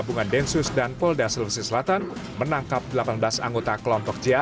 ketika dikawasan perumahan vila mutiara kota makassar menemukan pelaku bagian dari kelompok vila mutiara